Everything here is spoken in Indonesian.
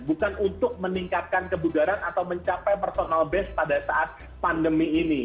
bukan untuk meningkatkan kebugaran atau mencapai personal base pada saat pandemi ini